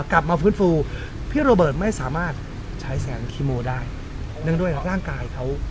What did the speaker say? กลับมาฟื้นฟูพี่โรเบิร์ตไม่สามารถใช้แสงคีโมได้เนื่องด้วยร่างกายเขา